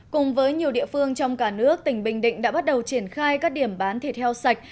cùng với nhiều địa phương trong cả nước tỉnh bình định đã bắt đầu triển khai các điểm bán thịt heo sạch